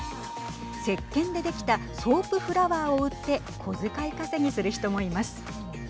せっけんでできたソープ・フラワーを売って小遣い稼ぎする人もいます。